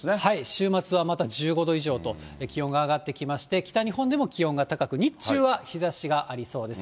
週末はまたまた１５度以上と、気温が上がってきまして、北日本でも気温が高く日中は日ざしがありそうです。